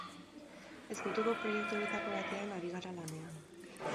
Ezkutuko proiektu horietako batean ari gara lanean.